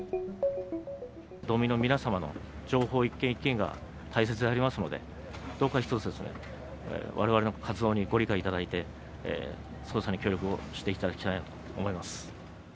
道民の皆様の情報、一件一件が大切でありますので、どうかひとつですね、われわれの活動にご理解いただいて、捜査に協力をしていただきたいなと思います。